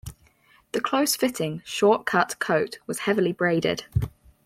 The close fitting, short-cut coat was heavily braided.